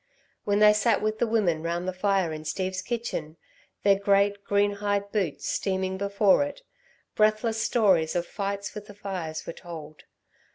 When they sat with the women round the fire in Steve's kitchen, their great, green hide boots steaming before it, breathless stories of fights with the fires were told.